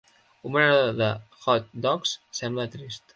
Un venedor de hot dogs sembla trist